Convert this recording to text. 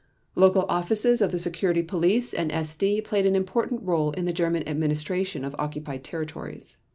Local offices of the Security Police and SD played an important role in the German administration of occupied territories.